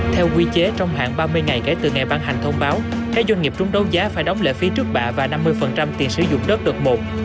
theo quy chế trong hạng ba mươi ngày kể từ ngày ban hành thông báo các doanh nghiệp trúng đấu giá phải đóng lệ phí trước bạ và năm mươi tiền sử dụng đất đợt một